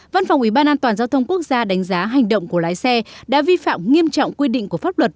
văn phòng ủy ban an toàn giao thông quốc gia đánh giá hành động của lái xe đã vi phạm nghiêm trọng quy định của pháp luật